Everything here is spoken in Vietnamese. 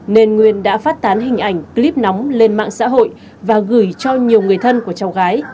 nên nguyên đã phát tán hình ảnh clip nóng lên mạng xã hội và gửi cho nhiều người thân của cháu gái